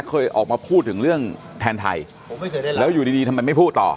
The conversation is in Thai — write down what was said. เคยออกมาพูดถึงเรื่องแทนไทยแล้วอยู่ดีดีทำไมไม่พูดต่อ